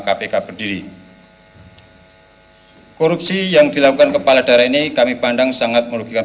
kpk berdiri korupsi yang dilakukan kepala daerah ini kami pandang sangat merugikan